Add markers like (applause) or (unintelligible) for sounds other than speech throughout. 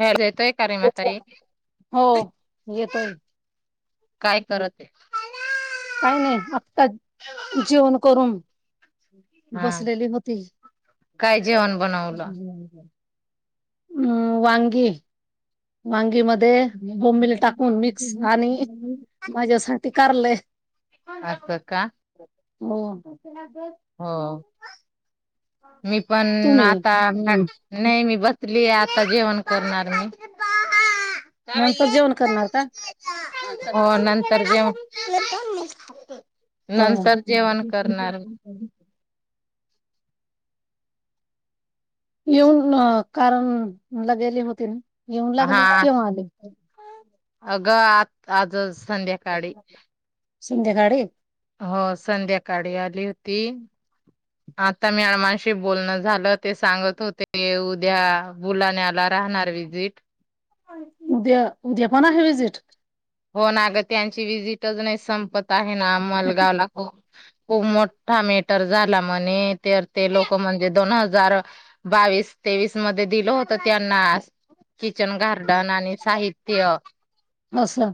हा देतोय का रे म्हातारे हो येतोय काय करत काही नाही आत्ता जेवन करून हा बसलेली होती. काय जेवण बनवलं अ वांगी. वांगी मध्ये बोंबील टाकून मिक्स आणि माझ्यासाठी. कारलय अस का हम हो. मी पण तुम्ही आता नाय मी बस. लि आता जेवण करणार मी. नंतर जेवण करणार का? हो नंतर जेव हो (inaudible) (unintelligible) हो. नंतर जेवण करणार येऊन कारण मला गेले होती ना येऊन हा लागले केंव्हा आले. अगं आत आजच. संध्याकाळी. गाडीत. हो संध्याकाळी आली होती आता म्याळमांशी बोलणं झालं ते सांगत होते उद्या बुलाण्याला राहणार विजिट उद्या उद्या पण आहे विजिट. हो ना अग त्यांची विजिटच नाही संपत आहे. हे ना मालगावला खूप. खूप मोठा मेटर झाला म्हणे तर ते लोक म्हणजे दोन हजार बावीस तेवीस मध्ये दिलं होत त्यांना किचन गार्डन आणि साहित्य. असं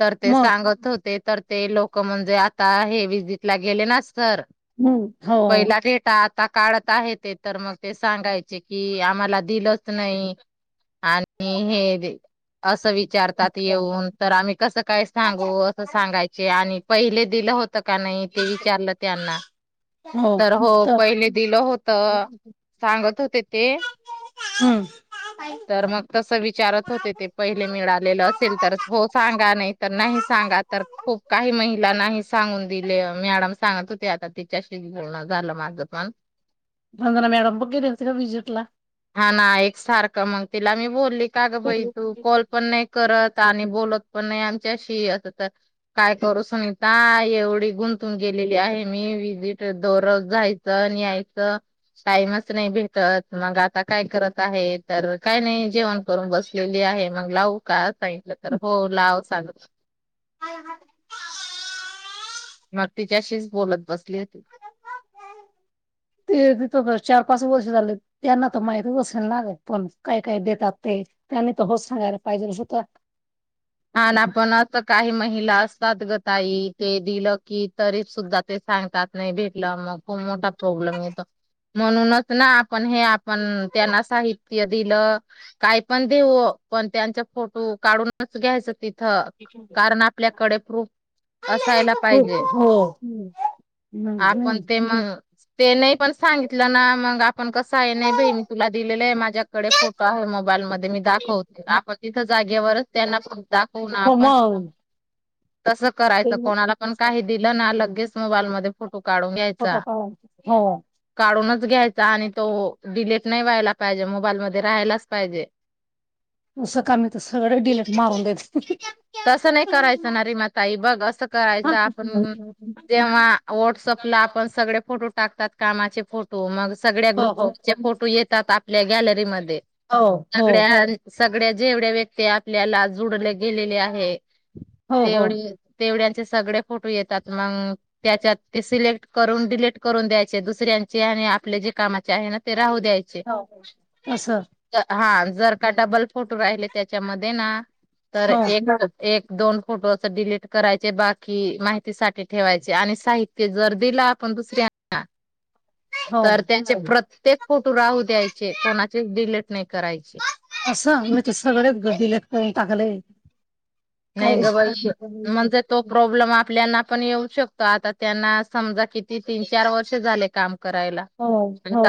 तर ते मग सांगत होते. तर ते लोक म्हणजे आता हे विजिटला गेले ना. सर हम्म हो. पहिल्या डेटात. आता काढत आहे ते तर मग ते सांगायचे कि आम्हाला दिलच नाही आणि हे असं वि विचारतात येऊन. तर आम्ही कसं काय सांगू असं सांगायचे आणि पहिले दिलं होत. का नाही ते विचारलं त्यांना. तर हो पहिले दिलं होत सांगत होते ते हम्म तर मग तस विचारत होते ते पहिले मिळालेलं असेल तर. सांगा नाही तर नाही सांगा तर खूप काही महिला नाही सांगून दिले मॅडम सांगत होते आता तिच्याशी बोलन झालं माझ पण रधना मॅडम बघ गेले होते का विजिट ला. हा ना एक सारखं मग तिला मी बोलली. का ग बाई तू कॉल पण नाही करत. आणि बोलत पण नाही आमच्याशी अस तर काय करू सुनीिता एवढी गुंतून गेलेली आहे मी विजिट दरत जायचं आणि यायचं टाइमच नाही भेटत मग आता. आता काय करत आहे तर काय नाही जेवण करून बसलेली आहे मग लावू का. सांगितलं तर हो लाव सग. मग तिच्याशीच बोलत बसत. ते तथ चार पाच पाच वर्ष झाले त्यांना तर माहितच असेल नाे पण काय काय देतात ते त्यांनी तर होत सांगायला पाहिजे ना स्वतः. आणि आपणच काही महिला असतात ग तई ते दिलं कि तरी सुद्धा ते सांगतात नाही भेटलं. मग खूप मोठा प्रॉब्लेम येतो म्हणूनच ना, आपण हे आपण त्यांना साहित्य दिलं काही पण देऊ पण त्यांचा फोटो काढूनच... घ्यायचं तें. कारण आपल्याकडे प्रूफ असायला खूप पाहिजे हो आपण ते म... त्येनी. पण सांगितलं ना मग... आपण कस आहे नाही भई मी तुला दिलेलं आहे माझ्याकडे फोटो आहे, मोबाईल मध्ये. मी दाखवते आपण तिथं जा (unintelligible) त्यांना (unintelligible) हो मं. तसं करायचं कोणाला पण काही दिलं ना लगेच.. मोबाईलमध्ये फो तो काढून घ्यायचा. हो काढूनच घ्याय आणि तो डिलेट नाही व्हायला पाहिजे मोबाईल मध्ये राहायलाच पाहिजे. तसं का मी तर सगळेच डिलीट मारून देते. तसं नाही करायचं ना, रीमा ताई, बघ असं करायच आपन जेव्हा वॉट्सअप ला आपण सगळे फोटो टाकतात कामाचे फोटो मगचं सगळ्या हो ग्रुप हो मधून फोटो येतं त्यात आपल्या गॅलरीमध्ये. हो. हो. सगळ्या सगळ्या जेवढ्या व्यक्ती आपल्याला जुडले गेलेल्या... हाय. हो हो तेवढे तेवढ्या ते सगळे फोटो येतात मग त्याच्यात सिलेक्ट करून डिलीट करून द्यायचे दुसऱ्यांचे आणि आपले जे कामाचे आहे ते राहू द्यायचे. असं हा. जर का डबल फोटो राहिले त्याच्यामध्ये ना.. तर हो एक.. एक दोन फोटोचं डिलीट करायचे. बाकी माहितीसाठी ठेवायचे. आणि साहित्य जर दिला आपण दुसऱ्यांना.. हो तर त्याची प्रत त्येक फोटो राहू द्यायचे. कोणाचे डिलीट नाही. करायचे. अस, म्हणजे सगळं (unintelligible) डिलीट करून टाकले. काय नाही गबर म्हणजे तो प्रॉब्लेम आपल्याना पण येऊ शकतो आता त्यांना समजा किती तीन चार वर्ष झाले काम कराला हो हो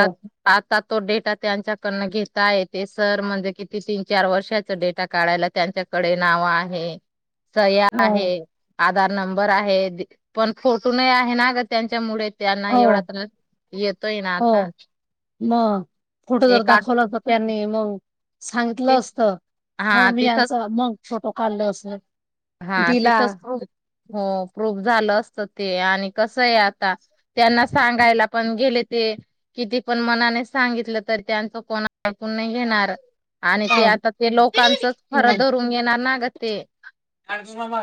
आता तो डेटा त्यांच्याकडन घेता य ते सर म्हणजे किती तीन चार वर्षाचा डेटा काढायला त्यांच्याकडे नाव आहे सया हो आहे आ आधार नंबर आहे पण फोटो नाही आहे ना ग त्यांच्यामुळे त्यांना हो एवढा त्रास येतोय ना हो आता मग फोटो जर एका दाखवला तर त्यांनी मग सांगितलं असत हो हा मी यांच तिथंच मग फोटो काढल असे हा तिथच प्रफ हो प्रूफ झालं असत ते आणि कस आहे आता त्यांना सांगायला पण गेले ते किती पण मनाने सांगितलं तर त्यांच कोण ऐकून नाही घेणार आणि ते ह आता ते लोकांच फर धरून घेणार ना ग ते आणि तुर्म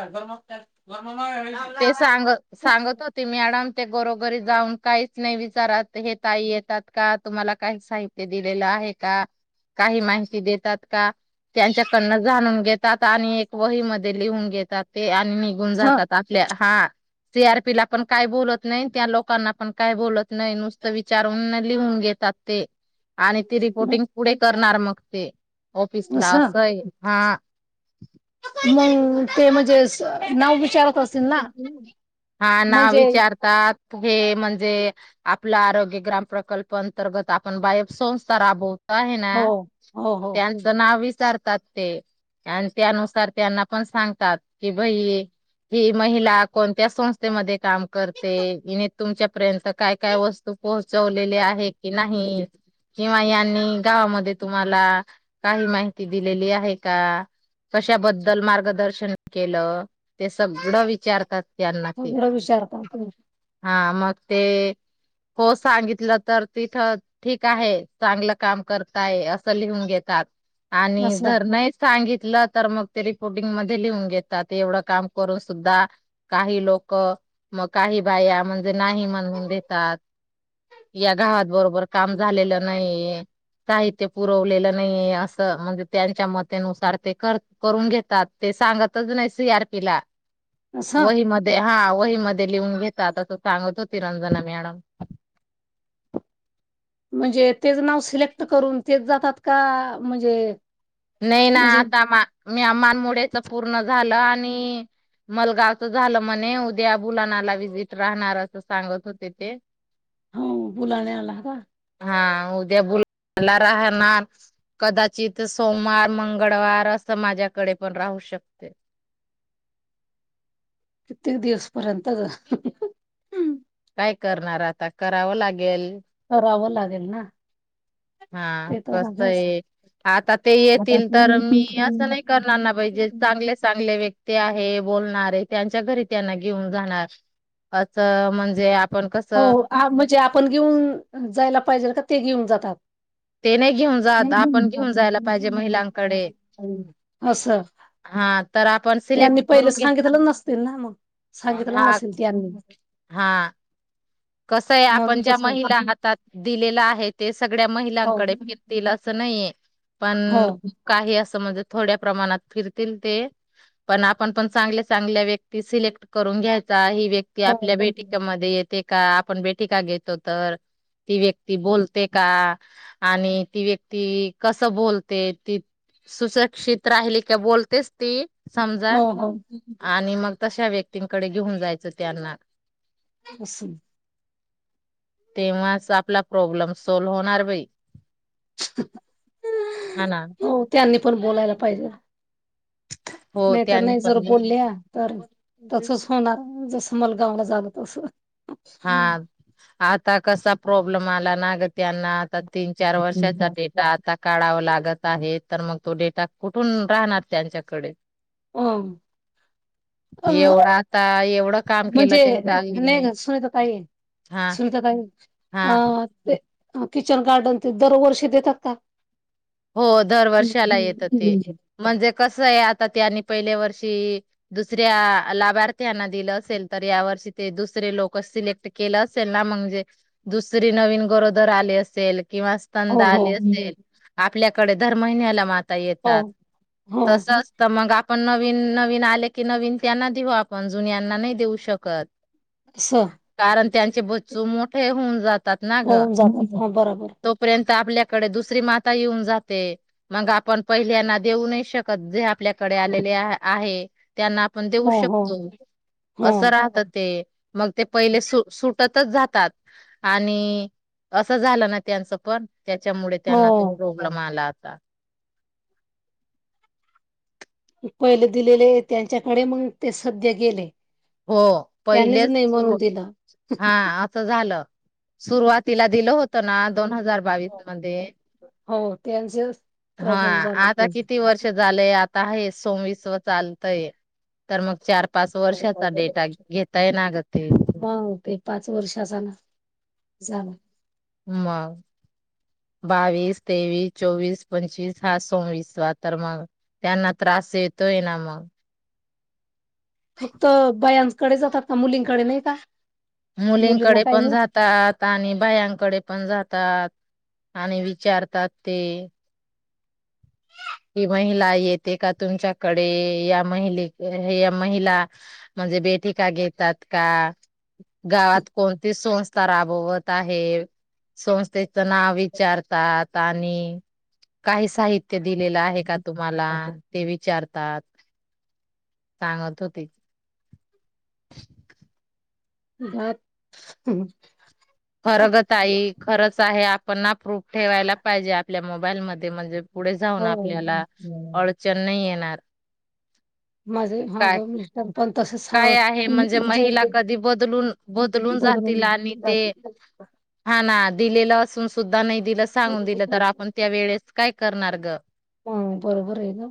(unintelligible) ते सांग सांगत होते मॅडम ते गरोघरी जाऊन काहीच नाही विचारत हे ताई येतात का तुम्हाला काही साहित्य दिलेलं आहे का काही माहिती देतात का त्यांच्याकडन जाणून घेतात आणि एक वही मध्ये लिहून घेतात ते निघून जातात हा सी आर पी ला पण काय बोलत नाही त्या लोकांना पण काय बोलत नाही नुसतं विचारून लिहून घेतात ते. आणि ती रिपोर्टिंग पुढे करणार मग ते ऑफिसला असंय हा मग ते म्हणजे नाव विचारत असतील ना हा नाव म्हणजे विचारतात हे म्हणजे आपला आरोग्य ग्राम प्रकल्प अंतर्गत आपण बाय संस्था राबवत आहे ना हो हो हो त्यांच नावी विचारतात ते आणि त्यानुसार त्यांना पण सांगतात कि बई ही महिला कोणत्या संस्थेमध्ये काम करते हने तुमच्या र्यंत काय काय वस्तू पोहोचवलेली आहे की नाही? हम्म किंवा यांनी गावामध्ये तुम्हाला काही माहिती दिलेली आहे का? कशाबद्दल मार्गदर्शन केलं? सगळं विचारतात. त्यांना ते सगळं विचारतात. हा. मग ते, हो सांगितलं तर तिथं ठीक आहे, चांगलं काम करताय असं लिहून घेतात. आणि असं जर नाही सांगित- तर मग, ते रिपोर्टिंग मध्ये लिहून घेतात एवढं काम- करून सुद्धा काही लोक मग काही बाया म्हणजे नाही म्हणून देतात, या गावात बरोबर काम झालेलं नाहीे साहित्य पुरवलेलं नाहीे असं म्हणजे त्यांच्या मतेनुसार ते कर करून घेतात. ते सांगतच नाही सी आर पी ला. असं वहीमध्ये हा! वहीमध्ये- लिहून घेतात. अस सांगत होती रंजना मॅडम. म्हणजे, तेच नाव - सिलेक्ट करूनते जात का म्हणजे- नाही ना म्हणजे आता म्या मी अ मानमोडेचा पो - पूर्ण झालं. आणि मलगावच झालं म्हणे उद्या बुलानाला विजिट राहणार. अस सांगत होते ते. हो! बुलाण्या आला ह का? हा, उद्या बुलाला राहणार कदाचित- सोमवार मंगळवार असं माझ्याकडे पण राहू शकते. कित्येक दिवस पर्यंत... - काय करणार आता, करावं लागेल. करावं लागेल. बेल ना. हा! ते तर कस आहेच. आहे, आता ते आता येतील ते तर मी असं नाही करणार ना बाई जे चांगले चांगले व्यक्- ते आहे, बोलणार आहे, त्यांच्या घरी त्यांना घेऊन जाणार. असं म्हणजे- आपण हो! कसं म्हणजे आपण घेऊन जायला पाहिजेल का ते घेऊन जात? त त- ते नाही घेऊन जात घे. आपण घेऊन जायला पाहिजे महिलांकडे अस हा तर आपण त्यांनी सिलेक्ट पहिले करून घ्या सांगितलं नसतील ना, मग सांगितलं हा नसेल त्यांनी. कस आहे, म्हणून आपण ज्या तस हो महिला हातात दिलेला आहे- हे तेच- सगळ्या महिलांकडे फेरतील असं नाहीये. हो पण, काही अस- म्हणजे थोड्या प्रमाणात फिरतील ते, पण आपण पण, चांगले चांगले व्यक्ती सिलेक्ट करून घ्यायचा आहे. व्यक्ती हो आपल्या भेटिकमध्ये येत- का आपण बेट का घेतो तर ती व्यक्ती बोलते का? आणि ती व्यक्ती कसं बोलते, ती सुशिकषित राहिली का बोलतेच ती. समजा.. हो हो आणि मग- तश्या व्यक्तींकडे घेऊन जायचं त्यांना असून तेव्हाच आपला प्रॉब्लेम सॉल्व होणार भाई.. हो त्यांनी पण बोलायला पाहिजे. हो नाही तर त्यांनी नाही जर पण बोलल्या तर तसच होणार. मलगावला जाणत असत हा आता कसा प्रॉब्लेम आला. ना त्यांना आता तीन चार अ वर्षातचा डेटा आता काढावा लागत. त आहे तर मग तो डेटा कुठून राहणार त्यांच्याकडे. अ एवढ आता ए.. म्हणजे नाही.. काय सुलत काय.. हा हा म ते किचन गार्डन ते दरवर्षी देतात का.. हो दरवर्षाला येत ते म्हणजे कस आहे आता त्यां पहिल्या वर्ष दुसऱ्या लाभार्थीना दिल असेल तर या वर्षी ते दुसरे लोक सिलेक्ट केल असेल ना म्हजे दुसरी नवीन गरोदर आले असेल.. किंवा हो स्तंदा हो आली असेल. आपल्याकडे दर महिन्याला म हो येतात हो तसच मग पण नवीन नवीन आले की नवीन त्यांना देऊ आपण जुन्यांना नाही देऊ शकत. अस कारण त्यांचे बच्चू मोठे होऊन जातात ना ग.. होऊन जात हो बरोबर तोपयंत.. आपल्याकडे दुसरी माता येऊन जाते मग आपण पहिल्याना देऊ नाही शकत जे आपल्याकडे आलेले आहे. त्यांना आपण देऊ हो हो शकतो हो असं राहत ते.. मग ते पहिले सु सुटतच जातात आणि असं झालं ना.. त्यांचं पण त्याच्यामुळे हो त्यांना काही प्रॉब्लेम आलात. का.. पहिले दिलेले त्यांच्याकडे मग ते सध्या गेले. हो त्यांनीच पहिलेच नाही म्हणून सुरु दिलं. हा असं झालं. सुरुवातीला दिल होत ना दोन हजार.. बावीस मध्ये हो त्यांच हा आता किती वर्ष झालेय आता आहे सवीस व चालतय तर मग चार पाच वर्षाचा डेटा घेताय ना ग ते ह ते पाच वर्षचा ना झालं म बावीस तेवीस चोवीस पंचवीस हा सोमविसवा तर मग त्यांना त्रास येतोय ना मग फक्त बायांकडे जातात का मुलींकडे नाही का मुलींना मुलींकडे काही पण नाही जातात आणि बायांकडे पण जात आणि विचारतात ते हि महिला येते का तुमच्याकडे या महिले या महिला म्हणजे बैटीका घेतात का गावात कोणती संस्थ राबवत आहे संस्थेच नाव विचारतात आणि काही साहित्य दिलेल आहे का तुम्हाला ते विचारतात सांगत होते घात (unintelligible) खर ग ताई खरंच आहे पना प्रूफ ठेवायला पाहिजे आपल्या मोबाईलमध्ये म्हणजे पुढे जाऊन हो आपल्याला अडचण नाही येणार (unintelligible) माझा हा काय ग मी (unintelligible) काय आहे म्हणजे महिला कधी बदलून बदलून जातील आणि ते हाना दिलेला असून सुद्धा दिलं सांगून दिलं तर आपण त्या वेळेस काय करणार ग ह बरोबर आहे ना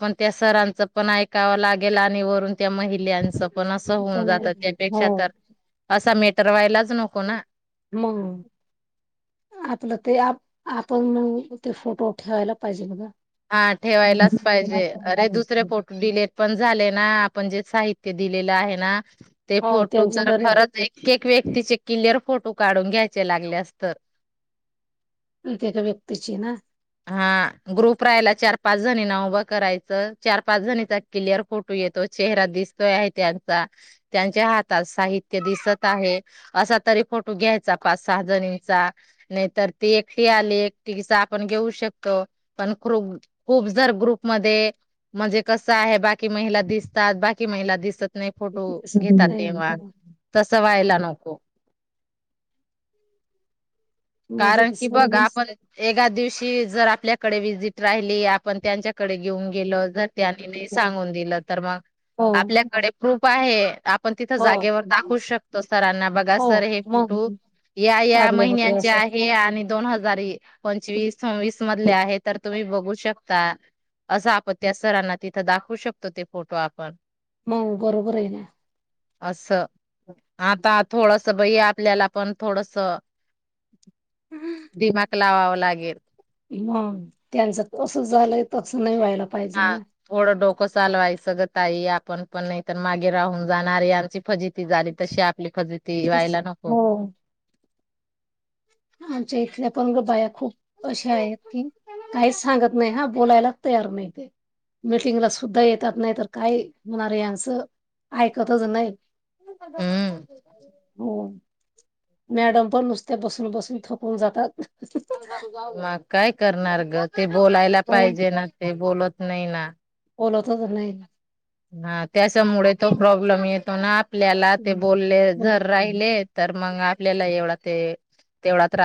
पण त्या सरांचं पण ऐकावं लागेल आणि वरून त्या महिलांचं पण अस होऊन कोण जात आहे? हो त्यापेक्षा तर असे तर व्हायलाच नको ना ह आपलं ते आप आपण मग ते फोटो ठेवायला पाहिजे बघ हा ठेवायलाच पाहिजे अरे दुसरे फोट डिलेट पण झाले ना आपण जे साहित्य दिलेलं आहे ना ते हो फोटो त्यांची तर खरच एक व्यक्तीचे क्लिअर फोटो काढून घ्यायचे लागले असत एकेका व्यक्तीची ना हा ग्रुप कपरायला चार पाच जणीना उभं करायचं चार पाच जणीचा क्लियर फोटो येतो चेहरा दिसतोय आहे त्यांचा त्यांच्या हातात साहित्य दिसत आहे असा तरी फोटो घ्यायचा पाच सहा जणीचा नाहीतर ते एकटी आले एकटीचा आपण घेऊ शकतो पण खूप खूप जर ग्रुपमध्येध्ये म्हणजे कसं आहे बाकी महिला दिसतात बाकी महिला दिसत.. नाही फोटो घेतात तेवग तस व्हायला.. (unintelligible) माझे कारण तर कि बघा सगळेच आपण एका दिवशी जर आपल्याकडे वजिट राहिली आपण त्यांच्याकडे घेऊन गेलो जर.. त्यांनी नाही सांगून दिलं तर मग हो आपल्याकडे प्र आहे. आपण तिथं हो जागेवर दाखवू शकतो सरांना बघा हो सर हे मग फोटो या या काढले महिन्या.. होते असे आहे आणि दोन हजार पंचवीस.. सव्वीस मधले आहे तर तुम्ही बघू शकता असं आपण त्या सरांना तिथं दाखवू शकतो ते फोटो आपण. म बरोबर आहे ना. अससं आता आ थोडस बई आपल्याला पण थोडस.. दिमाग लावावर लागेल मग त्यांचं तसं झालंय तसं नाही व्हायलात. हा थोडं डोकं चालवायसगत.. ताई आपण पण नाही तर मागे राहून जाणार यांची फजिती झाली तशी आपली फजिती.. ते वयला तसं- नको.. हो आमच्या इथडे पण बाया खूप.. अशा आहेत की काहीच सांगत नाही हा. बोलायलाच तयार नाही ते मिीटिंगला सुद्धा येतात नाही तर काय होणारे यांचं ऐकतच नाही.. हम्म हो मॅडम पण नुसत ते बसून बसून थकून जातात. मग काय करणार ग ते बोलायला हो, पाहिजे ना ते बोलत नाही ना ओलात नाही हा त्याच्यामुळे तो प्रॉब्लेम येतो ना.. आपल्याला ते हं. बोलले हो, जर हो. राहिले तर मग आपल्याला एवढा ते तेवढा त्र